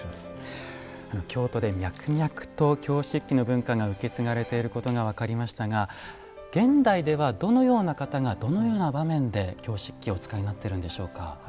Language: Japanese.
京都で脈々と京漆器の文化が受け継がれていることが分かりましたが現代ではどのような方がどのような場面で京漆器をお使いになっているんでしょうか？